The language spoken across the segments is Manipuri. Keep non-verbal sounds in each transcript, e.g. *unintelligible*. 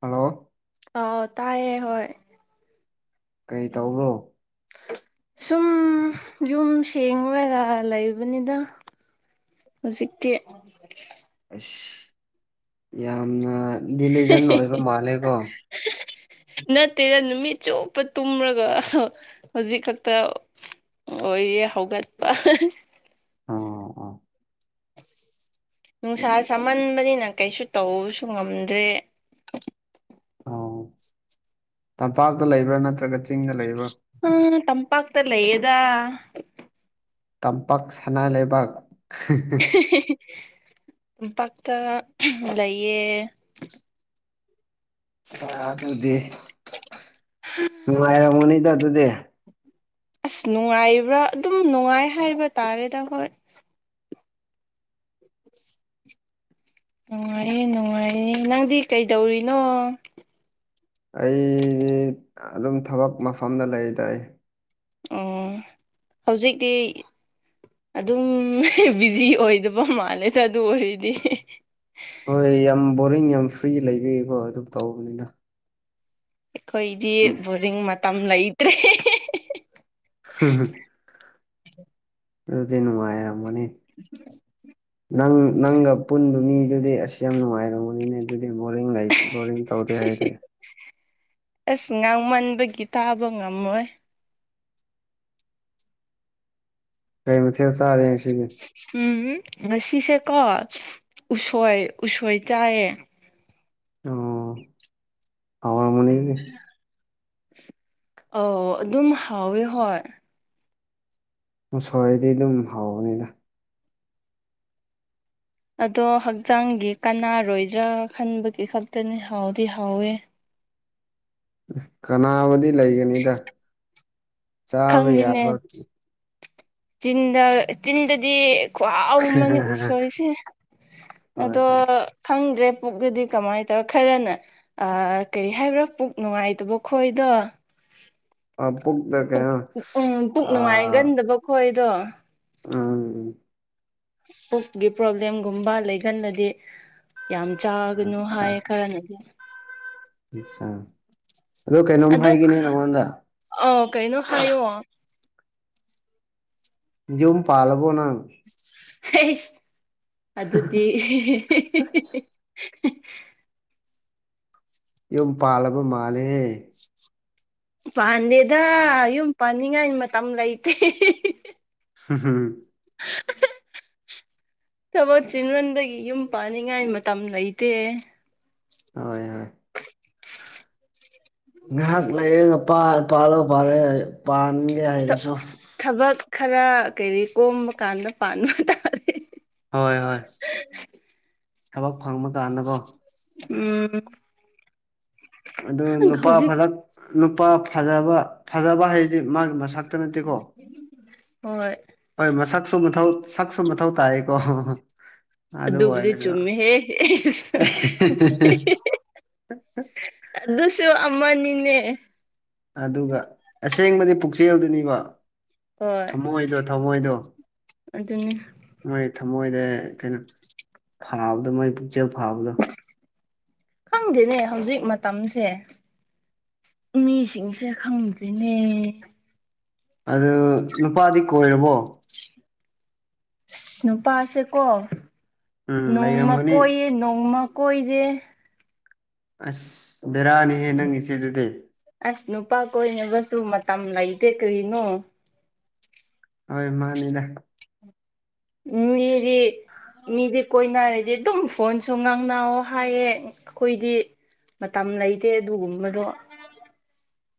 ꯍꯜꯂꯣ ꯑꯣ ꯇꯥꯏꯌꯦ ꯍꯣꯏ ꯀꯩ ꯇꯧꯕ꯭ꯔꯣ ꯁꯨꯝ ꯌꯨꯝ ꯁꯦꯡꯔꯒ ꯂꯩꯕꯅꯤꯗ ꯍꯨꯖꯤꯛꯇꯤ ꯢꯁ ꯌꯥꯝꯅ ꯗꯤꯂꯤꯖꯟ ꯑꯣꯏꯕ ꯃꯥꯜꯂꯦꯀꯣ *unintelligible* ꯅꯠꯇꯦꯗ ꯅꯨꯃꯤꯠ ꯆꯨꯞꯄ ꯇꯨꯝꯔꯒ ꯍꯧꯖꯤꯛ ꯈꯠꯇ ꯑꯣꯏꯌꯦ ꯍꯧꯒꯠꯄ ꯑꯣ ꯑꯣ ꯅꯨꯡꯁꯥ ꯁꯥꯃꯟꯕꯅꯤꯅ ꯀꯩꯁꯨ ꯇꯧꯕꯁꯨ ꯉꯝꯗ꯭ꯔꯦ ꯑꯣ ꯇꯝꯄꯥꯛꯇ ꯂꯩꯕ꯭ꯔꯥ ꯅꯠꯇ꯭ꯔꯒ ꯆꯤꯡꯗ ꯂꯩꯕ꯭ꯔꯥ ꯎꯝ ꯇꯝꯄꯥꯛꯇ ꯂꯩꯌꯦꯗꯥ ꯇꯝꯄꯥꯛ ꯁꯅꯥ ꯂꯩꯕꯥꯛ *unintelligible* ꯄꯥꯛꯇ ꯂꯩꯌꯦ *unintelligible* ꯅꯨꯡꯉꯥꯏꯔꯝꯒꯅꯤꯗ ꯑꯗꯨꯗꯤ ꯑꯁ ꯅꯨꯡꯉꯥꯏꯕ꯭ꯔꯥ ꯑꯗꯨꯝ ꯅꯨꯡꯉꯥꯏ ꯍꯥꯏꯕ ꯇꯥꯔꯦꯗ ꯑꯈꯣꯏ ꯅꯨꯡꯉꯥꯏꯌꯦ ꯅꯨꯡꯉꯥꯏꯌꯦ ꯅꯪꯗꯤ ꯀꯩꯗꯧꯔꯤꯅꯣ ꯑꯩ ꯑꯗꯨꯝ ꯊꯕꯛ ꯃꯐꯝꯗ ꯂꯩꯌꯦꯗ ꯑꯩ ꯑꯣ ꯍꯧꯖꯤꯛꯇꯤ ꯑꯗꯨꯝ ꯕꯤꯖꯤ ꯑꯣꯏꯗꯕ ꯃꯥꯜꯂꯦꯗ ꯑꯗꯨ ꯑꯣꯏꯔꯗꯤ ꯍꯣꯏ ꯌꯥꯝ ꯕꯣꯔꯤꯡ ꯌꯥꯝ ꯐ꯭ꯔꯤ ꯂꯩꯕꯒꯤꯀꯣ ꯑꯗꯨꯝ ꯇꯧꯕꯅꯤꯅ ꯑꯩꯈꯣꯏꯒꯤꯗꯤ ꯎꯝ ꯕꯣꯔꯤꯡ ꯃꯇꯝ ꯂꯩꯇ꯭ꯔꯦ *unintelligible* ꯑꯗꯨꯗꯤ ꯅꯨꯡꯉꯥꯏꯔꯝꯃꯅꯤ ꯅꯪ ꯅꯪꯒ ꯄꯨꯟꯕ ꯃꯤꯗꯨꯗꯤ ꯑꯁ ꯌꯥꯝ ꯅꯨꯡꯉꯥꯏꯔꯃꯅꯤꯅꯦ ꯑꯗꯨꯗꯤ ꯕꯣꯔꯤꯡ ꯂꯩ ꯕꯣꯔꯤꯡ ꯇꯧꯗꯦ ꯍꯥꯏꯗꯤ ꯑꯁ ꯉꯥꯡꯃꯟꯕꯒꯤ ꯇꯥꯕ ꯉꯝꯃꯣꯏ ꯀꯩ ꯃꯊꯦꯜ ꯆꯥꯔꯦ ꯉꯁꯤ ꯎꯝ ꯉꯁꯤꯁꯦꯀꯣ ꯎꯁꯣꯏ ꯎꯁꯣꯏ ꯆꯥꯏꯌꯦ ꯑꯣ ꯍꯥꯎꯔꯝꯒꯅꯤ ꯑꯥꯎ ꯑꯗꯨꯝ ꯍꯥꯎꯋꯦ ꯍꯣꯏ ꯎꯁꯣꯏꯗꯤ ꯑꯗꯨꯝ ꯍꯧꯕꯅꯤꯗ ꯑꯗꯣ ꯍꯛꯆꯥꯡꯒꯤ ꯀꯅꯥꯔꯣꯏꯗ꯭ꯔꯥ ꯈꯟꯕꯒꯤ ꯈꯛꯇꯅꯤ ꯍꯥꯎꯗꯤ ꯍꯥꯎꯋꯦ ꯀꯟꯅꯥꯕꯗꯤ ꯂꯩꯒꯅꯤꯗ ꯆꯥꯕ ꯈꯪꯗꯦꯅꯦ ꯌꯥꯕ ꯆꯤꯟꯗ ꯆꯤꯟꯗꯗꯤ ꯈꯨꯍꯥꯎ ꯑꯃꯅꯤ ꯎꯁꯣꯏꯁꯦ ꯍꯣꯏ ꯑꯗꯣ ꯈꯪꯗ꯭ꯔꯦ ꯄꯨꯛꯇꯗꯤ ꯀꯃꯥꯏꯟ ꯇꯧꯕ ꯈꯔꯅ ꯑ ꯀꯩ ꯍꯥꯏꯕ꯭ꯔꯥ ꯄꯨꯛ ꯅꯨꯡꯉꯥꯏꯇꯕ ꯈꯣꯏꯗꯣ ꯑ ꯄꯨꯛꯗ ꯄꯨꯛ ꯀꯩꯅꯣ ꯑꯥ ꯑꯈꯣꯏꯗꯣ ꯎꯝ ꯄꯨꯛꯀꯤ ꯄ꯭ꯔꯣꯕ꯭ꯂꯦꯝꯒꯨꯝꯕ ꯂꯩꯒꯟꯂꯗꯤ ꯌꯥꯝ ꯆꯥꯒꯅꯨ ꯍꯥꯏ ꯈꯔꯅꯗꯤ ꯏꯆꯥ ꯑꯗꯣ ꯀꯩꯅꯣꯝ ꯍꯥꯏꯒꯦꯅꯦ ꯅꯉꯣꯟꯗ ꯑꯥꯥꯎ ꯀꯩꯅꯣ ꯍꯥꯏꯌꯣ ꯌꯨꯝ ꯄꯥꯜꯂꯕꯣ ꯅꯪ ꯍꯩꯁ ꯑꯗꯨꯗꯤ ꯌꯨꯝ ꯄꯥꯜꯂꯕ ꯃꯥꯜꯂꯦ ꯄꯥꯟꯗꯦꯗ ꯌꯨꯝ ꯄꯥꯥꯟꯅꯤꯡꯉꯥꯏ ꯃꯇꯝ ꯂꯩꯇꯦ ꯍꯨ ꯍꯨ *inaudible* ꯊꯕꯣꯠ ꯆꯤꯟꯃꯟꯕꯒꯤ ꯌꯨꯝ ꯄꯥꯟꯅꯤꯡꯉꯥꯏ ꯃꯇꯝ ꯂꯩꯇꯦ ꯍꯣꯏ ꯍꯣꯏ ꯉꯥꯍꯥꯛ ꯂꯩꯔꯒ ꯄꯥꯜ ꯄꯥꯜꯂꯣ ꯄꯥꯜꯂꯣ ꯄꯥꯟꯒꯦ ꯍꯥꯏꯔꯁꯨ ꯊꯕꯛ ꯈꯔ ꯀꯩꯔꯤ ꯀꯣꯝꯕ ꯀꯥꯟꯗ ꯄꯥꯟꯕ ꯇꯥ ꯍꯣꯏ ꯍꯣꯏ *unintelligible* ꯊꯕꯛ ꯐꯪꯕ ꯀꯥꯟꯗꯀꯣ ꯎꯝ ꯑꯗꯨ ꯅꯨꯄꯥ ꯍꯧꯖꯤꯛ ꯐꯔꯛ ꯅꯨꯄꯥ ꯐꯖꯕ ꯐꯖꯕ ꯍꯥꯏꯗꯤ ꯃꯥꯒꯤ ꯃꯁꯛ ꯇ ꯅꯠꯇꯦꯀꯣ ꯍꯣꯏ ꯍꯣꯏ ꯃꯁꯛꯁꯨ ꯃꯊꯧ ꯁꯛꯁꯨ ꯃꯊꯧ ꯇꯥꯏ ꯑꯣ ꯑꯗꯨ ꯑꯗꯨꯕꯨꯗꯤ ꯑꯣꯏꯔꯁꯨ ꯆꯨꯝꯃꯦꯍꯦ ꯑ ꯑ ꯑꯗꯨꯁꯨ ꯑꯃꯅꯤꯅꯦ ꯑꯗꯨꯒ ꯑꯁꯦꯡꯕꯗꯤ ꯄꯨꯛꯆꯦꯜꯗꯨꯅꯤꯕ ꯍꯣꯏ ꯊꯝꯃꯣꯏꯗꯣ ꯊꯝꯃꯣꯏꯗꯣ ꯑꯗꯨꯅꯤ ꯃꯣꯏ ꯊꯃꯣꯏꯗ ꯀꯩꯅꯣ ꯐꯥꯕꯗꯣ ꯃꯣꯏ ꯄꯨꯛꯆꯦꯜ ꯐꯥꯕꯗꯣ ꯈꯪꯗꯦꯅꯦ ꯍꯧꯖꯤꯛ ꯃꯇꯝꯁꯦ ꯃꯤꯁꯤꯡꯁꯦ ꯈꯪꯗ꯭ꯔꯤꯅꯦ ꯑꯗꯨ ꯅꯨꯄꯥꯗꯤ ꯀꯣꯏꯔꯕꯣ ꯑꯁ ꯅꯨꯄꯥꯁꯦꯀꯣ ꯎꯝ ꯅꯣꯡꯃ ꯂꯩꯔꯝꯒꯅꯤ ꯀꯣꯏꯌꯦ ꯅꯣꯡꯃ ꯀꯣꯏꯗꯦ ꯑꯁ ꯕꯦꯔꯥꯅꯤꯍꯦ ꯅꯪ ꯏꯆꯦ ꯗꯨꯗꯤ ꯑꯁ ꯅꯨꯄꯥ ꯀꯣꯏꯅꯕꯁꯨ ꯃꯇꯝ ꯂꯩꯇꯦ ꯀ꯭ꯔꯤꯅꯣ ꯍꯣꯏ ꯃꯥꯅꯤꯗ ꯎꯝꯌꯤꯔꯤ ꯃꯤꯗꯤ ꯀꯣꯏꯅꯔꯗꯤ ꯑꯗꯨꯝ ꯐꯣꯟꯁꯨ ꯉꯥꯡꯅꯧ ꯍꯥꯏꯌꯦ ꯑꯩꯈꯣꯏꯗꯤ ꯃꯇꯝ ꯂꯩꯇꯦ ꯑꯗꯨꯒꯨꯝꯕꯗꯣ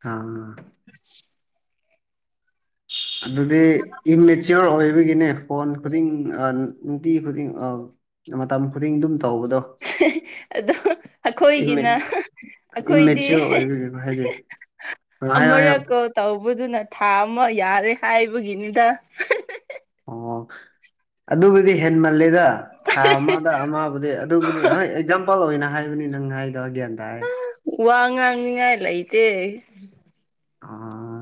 ꯑꯥ ꯑꯁ ꯑꯗꯨꯗꯤ ꯏꯝꯃꯦꯆꯤꯌꯣꯔ ꯑꯣꯏꯕꯒꯤꯅꯦ ꯐꯣꯟ ꯈꯨꯗꯤꯡ ꯑꯥꯥ ꯅꯨꯡ ꯅꯨꯡꯇꯤ ꯈꯨꯗꯤꯡ ꯑꯥ ꯃꯇꯝ ꯈꯨꯗꯤꯡ ꯑꯗꯨꯝ ꯇꯧꯕꯗꯣ ꯑꯗꯣ ꯏꯝꯃꯦ ꯑꯩꯈꯣꯏꯒꯤꯅ ꯑꯩꯈꯣꯏꯗꯤ ꯏꯝꯃꯦꯆꯤꯌꯣꯔ ꯑꯣꯏꯕꯒꯤꯀꯣ ꯍꯥꯏꯗꯤ ꯍꯥꯏꯌꯣ ꯍꯥꯏꯌꯣ ꯑꯃꯔꯛ ꯀꯣꯜ ꯇꯧꯕꯗꯨꯅ ꯊꯥ ꯑꯃ ꯌꯥꯔꯦ ꯍꯥꯏꯕꯒꯤꯅꯤꯗ ꯑꯣ ꯑꯗꯨꯕꯨꯗꯤ ꯍꯦꯟꯃꯂꯜ ꯂꯦꯗ ꯊꯥ ꯑꯃꯗ ꯑꯃꯕꯨꯗꯤ ꯑꯗꯨꯕꯨꯗꯤ ꯍꯣꯏ ꯑꯦꯛꯖꯥꯝꯄꯜ ꯑꯣꯏꯅ ꯍꯥꯏ ꯑꯗꯨꯅꯤ ꯅꯪ ꯍꯥꯏꯗꯣ ꯑꯩ ꯒꯌ꯭ꯥꯟ ꯇꯥꯔꯦ ꯑꯥ ꯋꯥ ꯉꯥꯡꯅꯤꯡꯉꯥꯏ ꯂꯩꯇꯦ ꯑꯥ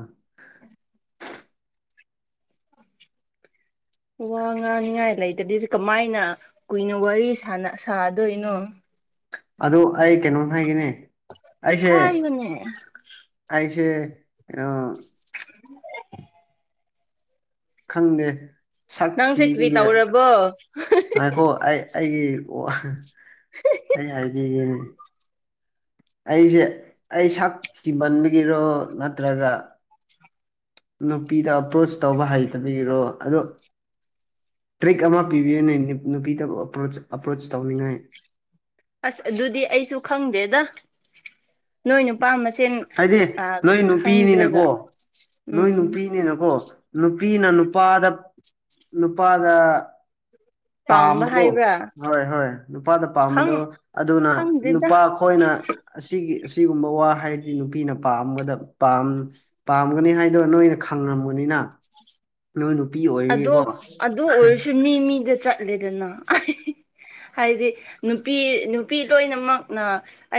ꯋꯥ ꯉꯥꯡꯅꯤꯉꯥꯏ ꯂꯩꯗꯗꯤ ꯀꯃꯥꯏꯅ ꯀꯨꯏꯅ ꯋꯥꯔꯤ ꯁꯥꯟꯅ ꯁꯥꯗꯣꯏꯅꯣ ꯑꯗꯨ ꯑꯩ ꯀꯩꯅꯣꯅ ꯍꯥꯏꯒꯅꯦ ꯑꯩꯁꯦ ꯍꯥꯏꯕꯅꯦ ꯑꯩꯥꯁꯦ *unintelligible* *inaudible* ꯈꯪꯗꯦ ꯁꯛ ꯅꯪꯁꯦ ꯀꯔ꯭ꯤ ꯊꯤꯕꯒꯤꯔ ꯇꯧꯔꯕꯣ ꯉꯥꯏꯈꯣ ꯑꯩ ꯑꯩꯒꯤ ꯑꯩ *unintelligible* ꯑꯩꯖꯦ ꯑꯩ ꯁꯛ ꯊꯤꯃꯟꯕꯒꯤꯔꯣ ꯅꯠꯇ꯭ꯔꯒ ꯅꯨꯄꯤꯗ ꯑꯄ꯭ꯔꯣꯁ ꯇꯧꯕ ꯍꯩꯇꯕꯤꯔꯣ ꯑꯗꯣ ꯇ꯭ꯔꯤꯛ ꯑꯃ ꯄꯤꯕꯤꯌꯨꯅꯦ ꯅꯨꯄꯤꯗꯕꯨ ꯑꯄ꯭ꯔꯣꯆ ꯑꯄ꯭ꯔꯣꯆ ꯇꯧꯅꯤꯡꯉꯥꯏ ꯑꯁ ꯑꯗꯨꯗꯤ ꯑꯩꯁꯨ ꯈꯪꯗꯦꯗ ꯅꯣꯏ ꯅꯨꯄꯥꯥꯝꯃꯁꯦ ꯁꯦꯟ ꯍꯥꯏꯗꯤ ꯑꯥ ꯅꯣꯏ ꯈꯪꯗ꯭ꯔꯒ ꯎꯝ ꯀꯣ ꯅꯨꯄꯤꯅ ꯅꯨꯄꯥꯗ ꯅꯨꯄꯥꯗ ꯄꯥꯝꯕ ꯄꯥꯝꯕꯗꯣ ꯍꯥꯏꯕ꯭ꯔꯥ ꯍꯣꯏ ꯍꯣꯏ ꯅꯨꯄꯥꯗ ꯄꯥꯝꯕꯗꯣ ꯈꯪ ꯑꯗꯨꯅ ꯅꯨꯄꯥ ꯈꯪꯗꯦꯗ ꯑꯩꯈꯣꯏꯅ ꯑꯁꯤꯒꯤ ꯑꯁꯤꯒꯨꯝꯕ ꯋꯥ ꯍꯥꯏ ꯑꯩ ꯅꯨꯄꯤꯅ ꯄꯥꯝꯒꯗ ꯄꯥꯝ ꯄꯥꯝꯒꯅꯤ ꯍꯥꯏꯗꯣ ꯅꯣꯏꯅ ꯈꯪꯉꯕꯅꯤꯅ ꯂꯣꯏ ꯅꯨꯄꯤ ꯑꯣꯏ ꯑꯗꯣ ꯑꯗꯨ ꯑꯣꯏꯔꯁꯨ ꯃꯤ ꯃꯤꯗ ꯆꯠꯂꯦꯗꯅ ꯍꯥꯏꯗꯤ ꯅꯨꯄꯤ ꯅꯨꯄꯤ ꯂꯣꯏꯅꯃꯛꯅ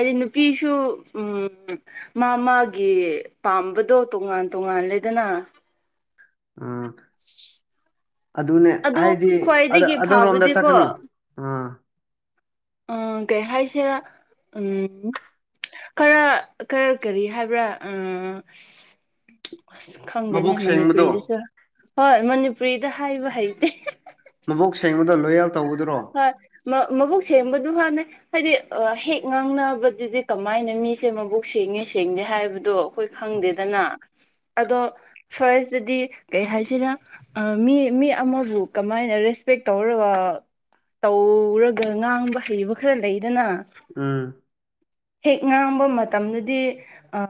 ꯗꯤ ꯅꯨꯄꯤꯁꯨ ꯎꯝ ꯃꯥ ꯃꯥꯒꯤ ꯄꯥꯝꯕꯗꯣ ꯇꯣꯉꯥꯟ ꯇꯣꯉꯥꯜꯂꯦꯗꯅ ꯎꯝ ꯑꯗꯨꯅꯦ ꯑꯗꯨ ꯍꯥꯏꯗꯤ ꯑꯗꯥ ꯈ꯭ꯋꯥꯏꯗꯒꯤ ꯑꯗꯔꯣꯝꯗ ꯐꯕꯗꯤꯀꯣ ꯆꯠꯀꯅꯣ ꯑꯥ ꯑ ꯀꯩ ꯍꯥꯏꯁꯦꯔꯥ ꯎꯝ ꯈꯔ ꯈꯔ ꯀꯔꯤ ꯍꯥꯏꯕ꯭ꯔꯥ ꯑ ꯈꯪꯗꯦꯅꯦ ꯃꯕꯣꯛ ꯁꯦꯡꯕꯗꯣ ꯃꯅꯤꯄꯨꯔꯤꯗꯁꯨ ꯍꯣꯏ ꯃꯅꯤꯄꯨꯔꯤꯗ ꯍꯥꯏꯕ ꯍꯩꯇꯦ ꯃꯕꯣꯛ ꯁꯦꯡꯕꯗ ꯂꯣꯌꯦꯜ ꯇꯧꯒꯗꯨꯔꯣ ꯍꯣꯏ ꯃꯕꯨꯛ ꯁꯦꯡꯕꯗꯨ ꯍꯥꯝꯅꯦ ꯍꯥꯏꯗꯤ ꯍꯦꯛ ꯉꯥꯡꯅꯕꯗꯨꯗꯤ ꯀꯃꯥꯏꯅ ꯃꯤꯁꯦ ꯃꯕꯨꯛ ꯁꯦꯡꯉꯦ ꯁꯦꯡꯗꯦ ꯍꯥꯏꯕꯗꯣ ꯑꯩꯈꯣꯏ ꯈꯪꯗꯦꯗꯅ ꯑꯗꯣ ꯐꯥꯔꯁꯇꯗꯤ ꯀꯩ ꯍꯥꯏꯁꯤꯔꯥ ꯑꯥ ꯃꯤ ꯃꯤ ꯑꯃꯕꯨ ꯀꯃꯥꯏꯅ ꯔꯦꯁꯄꯦꯛ ꯇꯧꯔꯒ ꯇꯧꯔꯒ ꯉꯥꯡꯕ ꯍꯩꯕ ꯈꯔ ꯂꯩꯗꯅ ꯎꯝ ꯍꯦꯛ ꯉꯥꯡꯕ ꯃꯇꯝꯗꯗꯤ ꯑ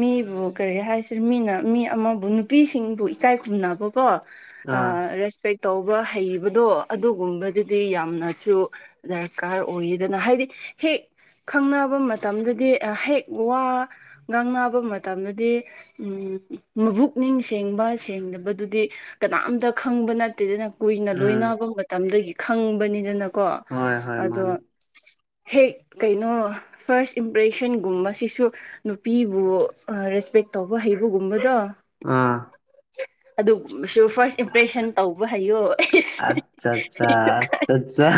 ꯃꯤꯕꯨ ꯀꯔꯤ ꯍꯥꯏꯁꯤ ꯃꯤꯅ ꯃꯤ ꯑꯃꯕꯨ ꯅꯨꯄꯤꯁꯤꯡꯕꯨ ꯏꯀꯥꯏ ꯈꯨꯝꯅꯕ ꯀꯣ ꯑꯥ ꯔꯦꯁꯄꯦꯛ ꯇꯧꯕ ꯍꯩꯕꯗꯣ ꯑꯗꯨꯒꯨꯝꯕꯗꯨꯗꯤ ꯌꯥꯝꯅꯁꯨ ꯗꯔꯀꯥꯔ ꯑꯣꯏꯌꯦꯗꯅ ꯍꯥꯏꯗꯤ ꯍꯦꯛ ꯈꯪꯅꯕ ꯃꯇꯝꯗꯨꯗꯤ ꯍꯦꯛ ꯋꯥ ꯉꯥꯡꯅꯕ ꯃꯇꯝꯗꯗꯤ ꯎꯝ ꯃꯕꯨꯛꯅꯤꯡ ꯁꯦꯡꯕ ꯁꯦꯡꯗꯕꯗꯨꯗꯤ ꯀꯅꯥꯝꯇ ꯈꯪꯕ ꯅꯠꯇꯦꯗꯅ ꯀꯨꯏꯅ ꯎꯝ ꯂꯣꯏꯅꯕ ꯃꯇꯝꯗꯒꯤ ꯈꯪꯕꯅꯤꯗꯅꯀꯣ ꯍꯣꯏ ꯍꯣꯏ ꯑꯗꯣ ꯃꯥꯅꯤ ꯍꯦꯛ ꯀꯩꯅꯣ ꯐꯥꯔꯁ ꯏꯝꯄ꯭ꯔꯦꯁꯟꯒꯨꯝꯕꯁꯤꯁꯨ ꯅꯨꯄꯤꯕꯨ ꯔꯦꯁꯄꯦꯛ ꯇꯧꯕ ꯍꯩꯕꯒꯨꯝꯕꯗꯣ ꯑꯥ ꯑꯗꯨ ꯃꯥꯁꯨ ꯐꯥꯔꯁ ꯏꯝꯄ꯭ꯔꯦꯁꯟ ꯇꯧꯕ ꯍꯩꯌꯣ ꯑꯠꯆꯥ ꯆꯥ ꯆꯠꯆꯥ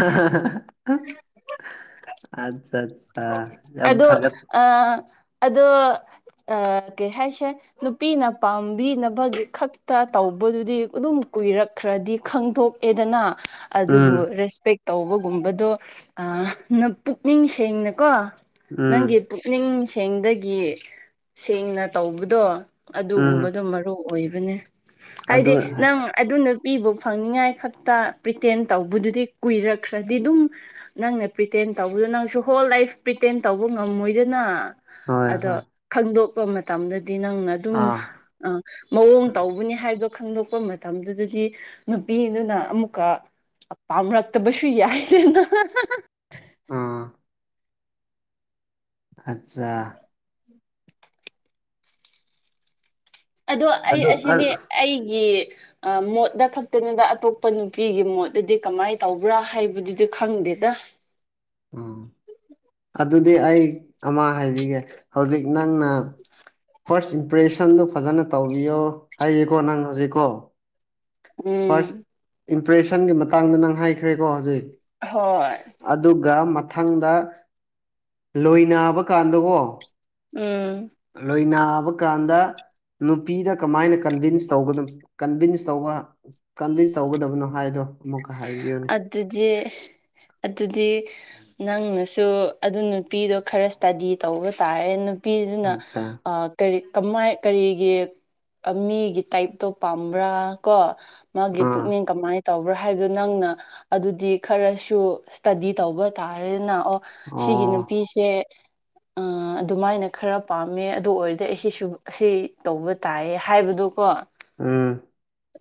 ꯑꯠꯆꯠ ꯑꯥ ꯌꯥꯝ ꯑꯗꯣ ꯐꯒꯠ ꯑꯥ ꯑꯗꯣ ꯑꯥ ꯀꯩ ꯍꯥꯏꯁꯦ ꯅꯨꯄꯤꯅ ꯄꯥꯝꯕꯤꯅꯕꯒꯤ ꯈꯛꯇꯥ ꯇꯧꯕꯗꯨꯗꯤ ꯑꯗꯨꯝ ꯀꯨꯏꯔꯛꯈ꯭ꯔꯥꯗꯤ ꯈꯪꯗꯣꯛ ꯑꯦꯗꯅ ꯑꯗꯨꯕꯨ ꯎꯝ ꯔꯦꯁꯄꯦꯛ ꯇꯧꯕꯒꯨꯝꯕꯗꯣ ꯑꯥ ꯅ ꯄꯨꯛꯅꯤꯡ ꯁꯦꯡꯅꯀꯣ ꯎꯝ ꯅꯪꯒꯤ ꯄꯨꯛꯅꯤꯡ ꯁꯦꯡꯗꯥꯒꯤ ꯁꯦꯡꯅ ꯇꯧꯕꯗꯣ ꯎꯝ ꯑꯗꯨꯒꯨꯝꯕꯗꯣ ꯃꯔꯨ ꯑꯣꯏꯕꯅꯦ ꯑꯗꯨ ꯍꯥꯏꯗꯤ ꯍꯣꯏ ꯅꯪ ꯑꯗꯨ ꯅꯨꯄꯤꯕꯨ ꯐꯪꯅꯤꯉꯥꯏ ꯈꯛꯇꯥ ꯄ꯭ꯔꯤꯇꯦꯟ ꯇꯧꯕꯗꯨꯗꯤ ꯀꯨꯏꯔꯛꯈ꯭ꯔꯥꯗꯤ ꯑꯗꯨꯝ ꯅꯪꯅ ꯄ꯭ꯔꯤꯇꯦꯟ ꯇꯧꯕꯗꯣ ꯅꯪꯁꯨ ꯍꯣꯜ ꯂꯥꯏꯐ ꯄꯤꯇꯦꯟ ꯇꯧꯕ ꯉꯝꯃꯣꯏꯗꯅ ꯍꯣꯏ ꯑꯗꯣ ꯈꯪꯗꯣꯛꯄ ꯃꯇꯝꯗꯥꯗꯤ ꯅꯪꯅ ꯇꯨꯝ ꯑꯥ ꯑꯥ ꯃꯑꯣꯡ ꯇꯧꯕꯅꯤ ꯍꯥꯏꯕ ꯈꯪꯗꯣꯛꯄ ꯃꯇꯝꯗꯨꯗꯥꯗꯤ ꯅꯨꯄꯤꯗꯨꯅ ꯑꯃꯨꯛꯀꯥ ꯄꯥꯝꯔꯛꯇꯥꯕꯁꯨ ꯌꯥꯏꯗꯅ ꯑꯥ ꯑꯠꯆꯥ ꯑꯗꯣ ꯑꯩ ꯑꯗꯨ ꯑ ꯑꯁꯤꯗꯤ ꯑꯩꯒꯤ ꯑꯥ ꯃꯣꯠꯗꯥ ꯈꯛꯇꯥꯅꯤꯗ ꯑꯇꯣꯞꯄ ꯅꯨꯄꯤꯒꯤ ꯃꯣꯠꯇꯥꯗꯤ ꯀꯃꯥꯏ ꯇꯧꯕ꯭ꯔꯥ ꯍꯥꯏꯕꯗꯨꯗꯤ ꯈꯪꯗꯦꯗ ꯎꯝ ꯑꯗꯨꯗꯤ ꯑꯩ ꯑꯃꯥ ꯍꯥꯏꯕꯤꯒꯦ ꯍꯧꯖꯤꯛ ꯅꯪꯅ ꯐꯥꯔꯁ ꯏꯝꯄ꯭ꯔꯦꯁꯟꯗꯨ ꯐꯖꯅ ꯇꯧꯕꯤꯌꯣ ꯍꯥꯏꯌꯦꯀꯣ ꯅꯪ ꯍꯧꯖꯤꯛꯀꯣ ꯐꯥꯔꯁ ꯎꯝ ꯏꯝꯄ꯭ꯔꯦꯁꯟꯒꯤ ꯃꯇꯥꯡꯗ ꯅꯪ ꯍꯥꯏꯈ꯭ꯔꯦꯀꯣ ꯍꯧꯖꯤꯛ ꯑꯍꯣꯏ ꯑꯗꯨꯒꯥ ꯃꯊꯪꯗ ꯂꯣꯏ ꯅꯥꯕ ꯀꯥꯟꯗꯀꯣ ꯎꯝ ꯂꯣꯏꯅꯥꯕ ꯀꯥꯟꯗ ꯅꯨꯄꯤꯗꯥ ꯀꯃꯥꯏꯅ ꯀꯟꯚꯤꯟꯁ ꯇꯧꯒꯥꯅꯨ ꯀꯟꯚꯤꯟꯁ ꯇꯧꯕ ꯀꯟꯚꯤꯟꯁ ꯇꯧꯒꯗꯕꯅꯣ ꯍꯥꯏꯗꯣ ꯑꯃꯨꯛꯀꯥ ꯍꯥꯏꯕꯤꯌꯨꯅꯦ ꯗꯨꯗꯤ ꯑꯗꯨꯗꯤ ꯅꯪꯅꯁꯨ ꯑꯗꯨ ꯅꯨꯄꯤꯗꯣ ꯈꯔ ꯏꯁꯇꯥꯗꯤ ꯇꯧꯕ ꯇꯥꯔꯦ ꯅꯨꯞ ꯄꯤꯗꯨꯅ ꯑꯠꯆꯥ ꯑꯥ ꯀꯔꯤ ꯀꯃꯥꯏ ꯀꯔꯤꯒꯤ ꯑꯥ ꯃꯤꯒꯤ ꯇꯥꯏꯞꯇꯣ ꯄꯥꯝꯕ꯭ꯔꯥ ꯀꯣ ꯃꯥꯒꯤ ꯑꯥ ꯄꯨꯛꯅꯤꯡ ꯀꯃꯥꯏ ꯇꯧꯕ꯭ꯔꯥ ꯍꯥꯏꯕꯗꯣ ꯅꯪꯅ ꯑꯗꯨꯗꯤ ꯈꯔꯁꯨ ꯏꯁꯇꯥꯗꯤ ꯇꯧꯕ ꯇꯥꯔꯦꯅ ꯑꯣ ꯁꯤꯒꯤ ꯑꯣ ꯅꯨꯄꯤꯁꯦ ꯑꯥ ꯑꯗꯨꯃꯥꯏꯅ ꯈꯔ ꯄꯥꯝꯃꯦ ꯑꯗꯨ ꯑꯣꯏꯔꯗꯤ ꯑꯩꯁꯤꯁꯨ ꯑꯁꯤ ꯇꯧꯕ ꯇꯥꯏꯌꯦ ꯍꯥꯏꯕꯗꯨꯀꯣ ꯎꯝ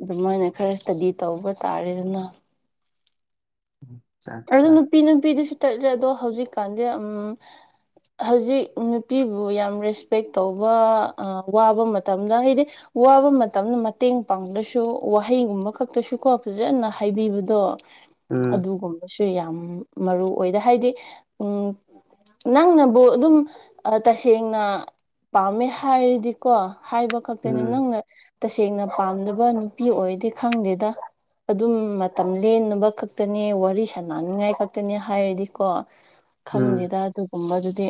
ꯑꯗꯨꯃꯥꯏꯅ ꯈꯔ ꯏꯁꯇꯥꯗꯤ ꯇꯧꯕ ꯇꯥꯔꯦꯗꯅ ꯎꯝ ꯑꯗꯣ ꯅꯨꯄꯤ ꯅꯨꯄꯤꯗꯁꯨ ꯇꯠꯂꯦ ꯑꯗꯣ ꯍꯧꯖꯤꯛꯀꯥꯟꯗꯤ ꯑꯝ ꯍꯧꯖꯤꯛ ꯅꯨꯄꯤꯕꯨ ꯌꯥꯝ ꯔꯦꯁꯄꯦꯛ ꯇꯧꯕ ꯑꯥ ꯋꯥꯕ ꯃꯇꯝꯗꯥ ꯍꯩꯗꯤ ꯋꯥꯕ ꯃꯇꯝꯗꯥ ꯃꯇꯦꯡ ꯄꯥꯡꯗ꯭ꯔꯥꯁꯨ ꯋꯥꯍꯩꯒꯨꯝꯕ ꯈꯛꯇꯥꯁꯨ ꯀꯣ ꯐꯖꯅ ꯍꯥꯏꯕꯤꯕꯗꯣ ꯎꯝ ꯑꯗꯨꯒꯨꯝꯕꯁꯨ ꯌꯥꯝ ꯃꯔꯨ ꯑꯣꯏꯗꯥ ꯍꯥꯏꯗꯤ ꯎꯡ ꯅꯪꯅꯕꯨ ꯑꯗꯨꯝ ꯑꯥ ꯇꯁꯦꯡꯅ ꯄꯥꯝꯃꯦ ꯍꯥꯏꯔꯗꯤꯀꯣ ꯍꯥꯏꯕ ꯈꯛꯇꯥꯅꯦ ꯎꯝ ꯅꯪꯅ ꯇꯥꯁꯦꯡꯅ ꯄꯥꯝꯗꯕ ꯅꯨꯄꯤ ꯑꯣꯏꯗꯤ ꯈꯪꯗꯦꯗꯥ ꯑꯗꯨꯝ ꯃꯇꯝ ꯂꯦꯟꯅꯕ ꯈꯛꯇꯅꯦ ꯋꯥꯔꯤꯁ ꯅꯥꯅꯤꯡꯉꯥꯏ ꯈꯛꯇꯅꯤ ꯍꯥꯏꯔꯗꯤꯀꯣ ꯎꯝ ꯈꯪꯗꯦꯗꯥ ꯑꯗꯨꯒꯨꯝꯕꯗꯨꯗꯤ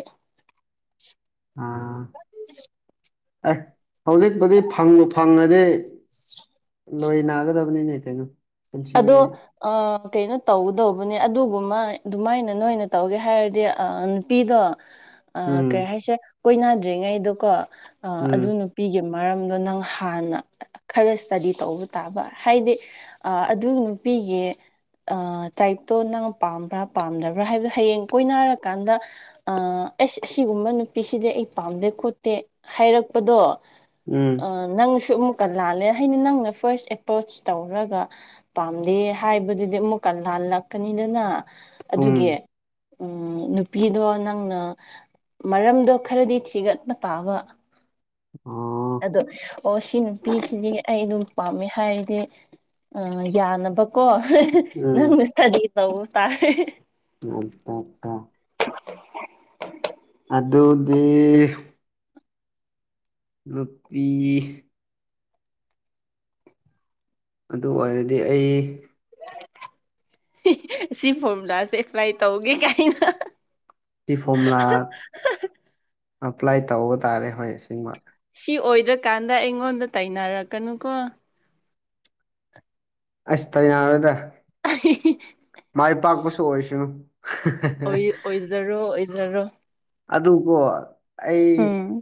ꯑꯥ ꯑꯩ ꯍꯧꯖꯤꯛꯄꯨꯗꯤ ꯐꯪꯕꯨ ꯐꯪꯉꯥꯗꯤ ꯂꯣꯏ ꯅꯒꯗꯝꯅꯤꯅꯦ ꯀꯩꯅꯣ ꯄꯨꯟꯁꯤ ꯑꯗꯣ ꯑ ꯀꯩꯅꯣ ꯇꯧꯒꯗꯧꯕꯅꯦ ꯑꯗꯨꯒꯨꯝꯃꯥꯏ ꯑꯗꯨꯃꯥꯏꯅꯥ ꯅꯣꯏꯅ ꯇꯧꯒꯦ ꯍꯥꯏꯔꯗꯤ ꯑ ꯅꯨꯄꯤꯗꯣ *inaudible* ꯑ ꯀꯩ ꯍꯥꯏꯁꯤꯔꯥ ꯀꯣꯏꯅꯗ꯭ꯔꯤꯉꯩꯗꯨꯀꯣ ꯑ ꯑꯗꯨ ꯎꯝ ꯅꯨꯞ ꯄꯤꯒꯤ ꯃꯔꯝꯗ ꯅꯪ ꯍꯥꯟꯅ ꯈꯔ ꯏꯁꯇꯗꯤ ꯇꯧꯕ ꯇꯥꯕ ꯍꯥꯏꯗꯤ ꯑ ꯑꯗꯨ ꯅꯨꯄꯤꯒꯤ ꯑ ꯇꯥꯏꯞꯇꯣ ꯅꯪ ꯄꯥꯝꯕ꯭ꯔꯥ ꯄꯥꯝꯗꯕ꯭ꯔꯥ ꯍꯥꯏꯕꯗꯣ ꯍꯌꯦꯡ ꯀꯣꯏꯅꯔꯀꯥꯟꯗꯥ ꯑ ꯑꯁ ꯑꯁꯤꯒꯨꯝꯕꯥ ꯅꯨꯄꯤꯁꯤꯗꯤ ꯑꯩ ꯄꯥꯝꯗꯦ ꯈꯣꯠꯇꯦ ꯍꯥꯏꯔꯛꯄꯗꯣ ꯎꯝ ꯅꯪꯁꯨ ꯑꯃꯨꯛꯀ ꯂꯥꯜꯂꯦ ꯍꯥꯏꯗꯤ ꯅꯪꯅ ꯐꯥꯔꯁ ꯑꯦꯄ꯭ꯔꯣꯆ ꯇꯧꯔꯒꯥ ꯄꯥꯝꯗꯦ ꯍꯥꯏꯕꯗꯨꯗꯤ ꯑꯃꯨꯛꯀ ꯂꯥꯜꯂꯛꯀꯅꯤꯗꯅꯥ ꯑꯗꯨꯒꯤ ꯎꯝ ꯎꯝ ꯅꯨꯄꯤꯗꯣ ꯅꯪꯅ ꯃꯔꯝꯗꯣ ꯈꯔꯗꯤ ꯊꯤꯒꯠꯄꯥ ꯇꯥꯕ ꯑꯣ ꯑꯗꯣ ꯑꯣ ꯁꯤ ꯅꯨꯄꯤꯁꯤꯗꯤ ꯑꯩ ꯑꯥꯗꯨꯝ ꯄꯥꯝꯃꯦ ꯍꯥꯏꯔꯗꯤ ꯑꯥ ꯌꯥꯅꯕꯀꯣ ꯎꯝ ꯅꯪꯅ ꯈꯗꯤ ꯇꯧ ꯇꯥꯔꯦ *unintelligible* ꯑꯥꯗꯨꯗꯤ ꯅꯨꯄꯤ ꯑꯥꯗꯨꯑꯣꯏꯔꯗꯤ ꯑꯩ ꯑꯁꯤ ꯐꯣꯔꯃꯨꯂꯥꯁꯦ ꯑꯦꯄ꯭ꯂꯥꯏ ꯇꯧꯒꯦ ꯀꯥꯏꯅꯥ ꯁꯤ ꯐꯣꯔꯃꯨꯂꯥ ꯑꯄ꯭ꯂꯥꯏ ꯇꯧꯕ ꯇꯥꯔꯦ ꯍꯣꯏ ꯑꯁ°ꯡꯕ ꯁꯤ ꯑꯣꯏꯗ꯭ꯔꯀꯥꯟꯗꯥ ꯑꯩꯉꯣꯟꯗꯥ ꯇꯥꯏꯅꯔꯛꯀꯅꯨꯀꯣ ꯑꯁ ꯇꯥꯏꯅꯔꫭꯏꯗꯥ ꯑ ꯍꯤ ꯍꯤ ꯃꯥꯏ ꯄꯥꯛꯄꯁꯨ ꯑꯣꯏꯁꯥꯅꯨ ꯑꯣꯏ ꯑꯣꯏꯖꯥꯔꯣ ꯑꯣꯏꯖꯥꯔꯣ ꯑꯗꯨ ꯀꫭ ꯑꯩ ꯎꯝ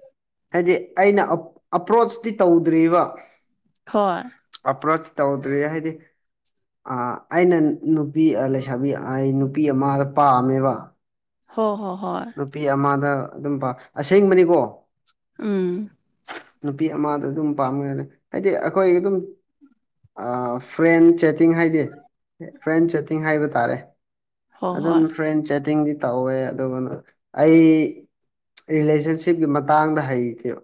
ꯍꯥꯏꯗꯤ ꯑꯩꯅꯥ ꯑ ꯑꯄ꯭ꯔꯣꯆꯇꯤ ꯇꯧꯗ꯭ꯔꯤꯕꯥ ꯍꫭ ꯑꯥꯄ꯭ꯔꯣꯆ ꯇꯧꯗ꯭ꯔꯤꯌ° ꯍꯥꯏꯗꯤ ꯑꯥ ꯑꯩꯅ ꯅꯨꯄꯤ ꯂꯩꯁꯥꯕꯤ ꯑꯩ ꯅꯨꯄꯤ ꯑꯃꯗꯥ ꯄꯥꯝꯃꯦꯕꯥ ꯍꯣꯏ ꯅꯨꯄꯤ ꯑꯃꯗ ꯑꯗꯨꯝꯕꯥ ꯑꯁꯦꯡꯕꯅꯤꯀꯣ ꯎꯝ ꯅꯨꯄꯤ ꯑꯃꯗꯥ ꯑꯗꯨꯝ ꯄꯥꯝꯃꯨ ꯌꯥꯗ° ꯍꯥꯏꯗꯤ ꯑꯩꯈꯣꯏ ꯑꯗꯨꯝ ꯑꯥ ꯐ꯭ꯔꯦꯟ ꯆꯦꯇꯤꯡ ꯍꯥꯏꯗꯤ ꯐ꯭ꯔꯦꯟ ꯆꯦꯠꯇꯤꯡ ꯍꯥꯏꯕ ꯇꯥꯔꯦ ꯍꯣ ꯑꯗꯨꯝ ꯍꯣꯏ ꯐ꯭ꯔꯦꯟ ꯆꯦꯠꯇꯤꯡꯗꯤ ꯇꯧꯋꯦ ꯑꯗꯨꯒꯥ ꯑꯩ ꯔꯤꯂꯦꯁꯟꯁꯤꯞꯀꯤ ꯃꯇꯥꯡꯗꯥ ꯍꯩꯇꯦꯕꯥ